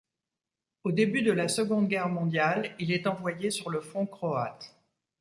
Au début de la Seconde Guerre mondiale, il est envoyé sur le front croate.